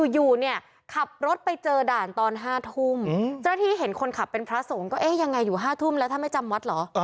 อยู่เนี่ยขับรถไปเจอด่านตอน๕ทุ่มเจ้าหน้าที่เห็นคนขับเป็นพระสงฆ์ก็เอ๊ะยังไงอยู่๕ทุ่มแล้วถ้าไม่จำวัดเหรอ